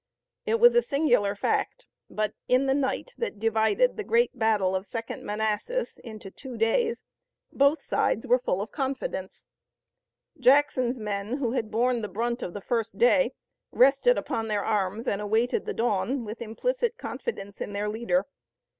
It was a singular fact but in the night that divided the great battle of the Second Manassas into two days both sides were full of confidence. Jackson's men, who had borne the brunt of the first day, rested upon their arms and awaited the dawn with implicit confidence in their leader.